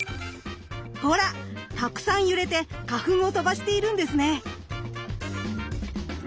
ほらたくさん揺れて花粉を飛ばしているんですね。